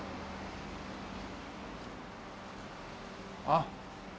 あっ。